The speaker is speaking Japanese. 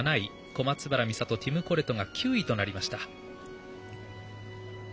小松原美里、ティム・コレトが９位となりました。